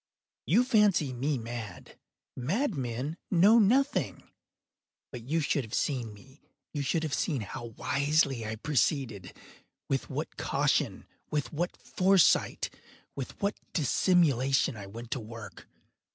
You fancy me mad. Madmen know nothing. But you should have seen me. You should have seen how wisely I proceeded—with what caution—with what foresight—with what dissimulation I went to work!